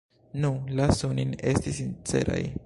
Nu, lasu nin esti sinceraj.